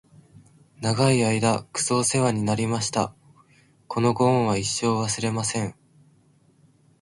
長い間クソおせわになりました！！！このご恩は一生、忘れません！！